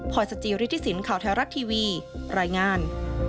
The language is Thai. พรสจิริฐศิลป์ข่าวแท้รักทีวีรายงาน